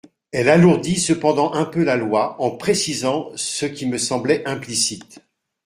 Elle alourdit cependant un peu la loi en précisant ce qui me semblait implicite.